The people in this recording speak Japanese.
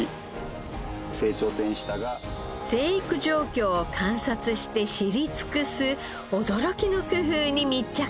生育状況を観察して知り尽くす驚きの工夫に密着します。